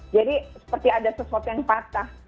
jadi seperti ada sesuatu yang patah